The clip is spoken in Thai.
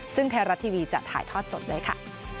ซึ่งเทราทีวีจะถ่ายทอดสดเลยค่ะ